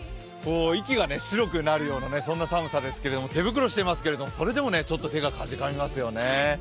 息が白くなるような、そんな寒さですけれども、手袋してますけど、それでもちょっと手がかじかみますよね。